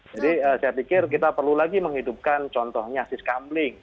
jadi saya pikir kita perlu lagi menghidupkan contohnya si skambling